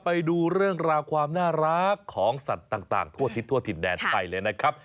ไปดูเรื่องราวความน่ารักของสัตว์ต่างทั่วทิศทั่วถิ่นแดนไปเลยนะครับ